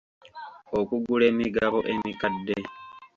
Okugula emigabo emikadde.